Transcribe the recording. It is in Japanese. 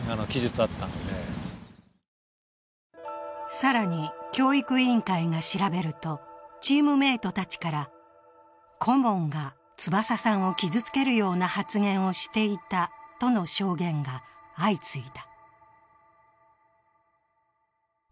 更に教育委員会が調べると、チームメートたちから顧問が翼さんを傷つけるような発言をしていたとの証言が相次いだ。